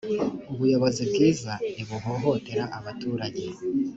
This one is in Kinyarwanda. ubuyozi bwiza ntibuhohotera abaturage